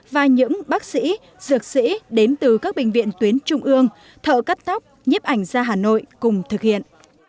và những bác sĩ dược sĩ đến từ các bệnh viện tuyến trung ương thợ cắt tóc nhiếp ảnh ra hà nội cùng thực hiện